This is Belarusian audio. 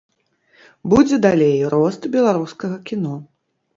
Будзе далей рост беларускага кіно.